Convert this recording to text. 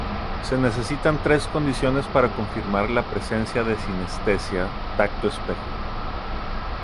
Se necesitan tres condiciones para confirmar la presencia de sinestesia tacto-espejo.